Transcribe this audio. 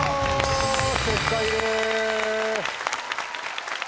正解です。